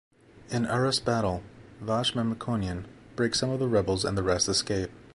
In Arest battle Vache Mamikonyan breaks some of the rebels and the rest escape.